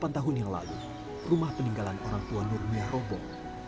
delapan tahun yang lalu rumah peninggalan orang tua nurmiah roboh